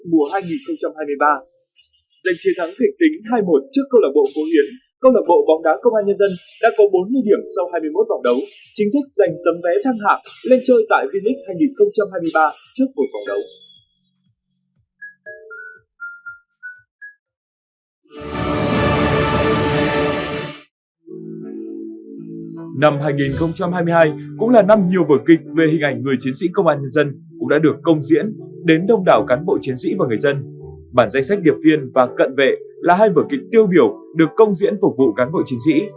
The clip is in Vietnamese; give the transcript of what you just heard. tại vòng hai mươi một giải hạng nhất quốc gia năm hai nghìn hai mươi hai công lạc bộ bóng đá công an nhân dân tiếp đón công lạc bộ phố huyền trên sân linh bình